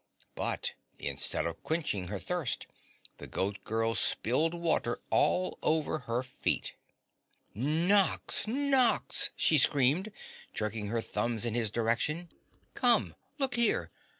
But instead of quenching her thirst, the Goat Girl spilled water all over her feet. "Nox! Nox!" she screamed, jerking all her thumbs in his direction. "Come! Look here!